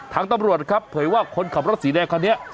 ตำรวจครับเผยว่าคนขับรถสีแดงคันนี้